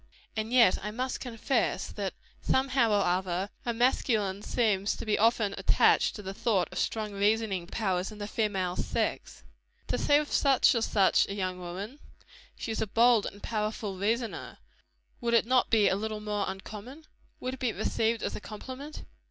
And yet I must confess that, some how or other, a masculine seems to be often attached to the thought of strong reasoning powers in the female sex. To say of such or such a young woman, She is a bold and powerful reasoner would it not be a little uncommon? Would it be received as a compliment?